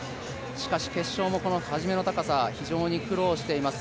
しかし、決勝も初めの高さ、非常に苦労しています。